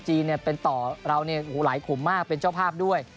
เป็นต่อเราหลายขุมมากเป็นเจ้าภาพด้วย